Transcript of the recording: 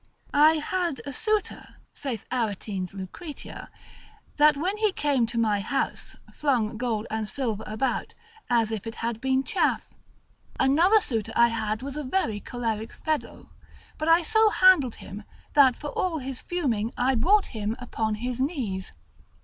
I had a suitor (saith Aretine's Lucretia) that when he came to my house, flung gold and silver about, as if it had been chaff. Another suitor I had was a very choleric fellow; but I so handled him, that for all his fuming, I brought him upon his knees.